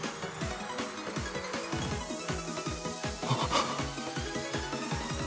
あっ。